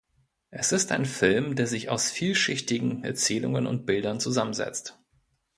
Es ist ein Film, der sich aus vielschichtigen Erzählungen und Bildern zusammensetzt.